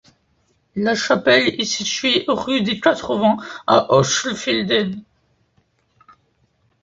La chapelle est situé rue des Quatre-Vents à Hochfelden.